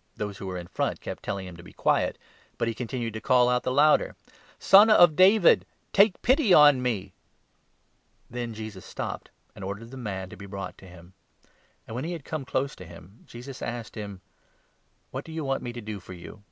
" Those who were in front kept telling him to be quiet, but he 39 continued to call out the louder :" Son of David, take pity on me !" Then Jesus stopped and ordered the man to be brought to him. 40 And, when he had come close up to him, Jesus asked him :" What do you want me to do for you